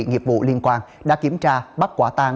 nghiệp vụ liên quan đã kiểm tra bắt quả tang